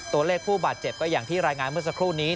ตัวเลขผู้บาดเจ็บก็อย่างที่รายงานเมื่อสักครู่นี้